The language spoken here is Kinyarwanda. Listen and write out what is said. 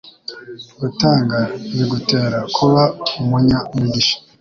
gutanga bigutera kuba umunya mugisha